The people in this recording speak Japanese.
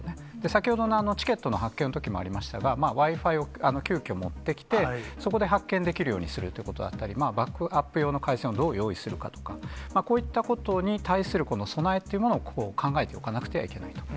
先ほどのチケットの発券のときもありましたが、Ｗｉ−Ｆｉを急きょ、持ってきて、そこで発券できるようにするということだったり、バックアップ用の回線をどう用意するかとか、こういったことに対する備えっていうものを、考えておかなくてはいけないと。